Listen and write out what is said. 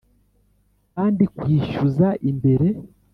kandi kwishyuza imbere